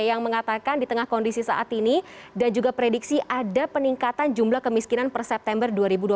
yang mengatakan di tengah kondisi saat ini dan juga prediksi ada peningkatan jumlah kemiskinan per september dua ribu dua puluh satu